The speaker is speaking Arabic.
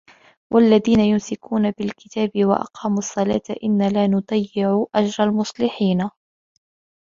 والذين يمسكون بالكتاب وأقاموا الصلاة إنا لا نضيع أجر المصلحين